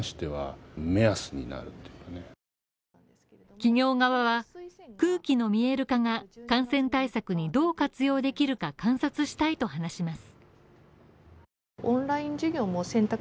企業側は空気の見える化が感染対策にどう活用できるか観察したいと話します。